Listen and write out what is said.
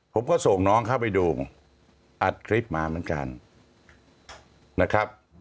ผมก็ส่งน้องเข้าไปดูอัดคลิปมาเหมือนกันนะครับ